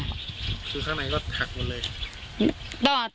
คือข้างในรถหักหมดเลย